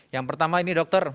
yang pertama ini dokter